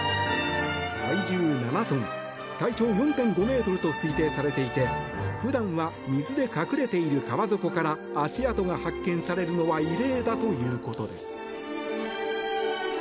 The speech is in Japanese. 体重７トン、体長４．５ｍと推定されていて普段は水で隠れている川底から足跡が発見されるのは異例だということです。